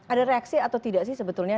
ada reaksi atau tidak sih sebetulnya